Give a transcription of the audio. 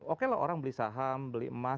oke lah orang beli saham beli emas